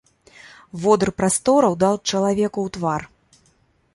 Водыр прастораў даў чалавеку ў твар.